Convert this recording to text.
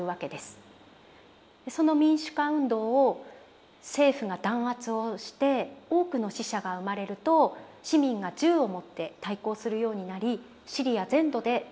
その民主化運動を政府が弾圧をして多くの死者が生まれると市民が銃を持って対抗するようになりシリア全土で武力衝突が起きていきます。